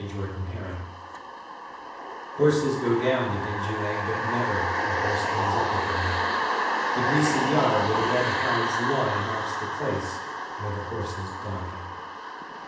LINDISFAIRE Horses go down the dingy lane, But never a horse comes up again. The greasy yard where the red hides lie Marks the place where the horses die.